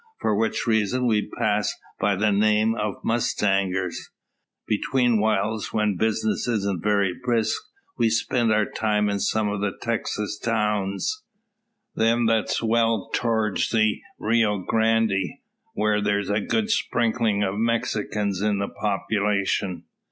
For which reason we pass by the name of mustangers. Between whiles, when business isn't very brisk, we spend our time in some of the Texas towns them what's well in to'rds the Rio Grande, whar there's a good sprinklin' of Mexikins in the population.